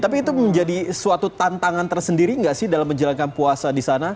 tapi itu menjadi suatu tantangan tersendiri nggak sih dalam menjalankan puasa di sana